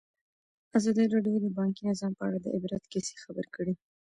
ازادي راډیو د بانکي نظام په اړه د عبرت کیسې خبر کړي.